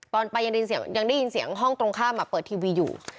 ตอนไปยังได้ยินเสียงห้องตรงข้ามเปิดทีวีอยู่